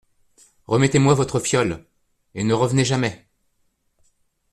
Remettez-moi votre fiole… et ne revenez jamais !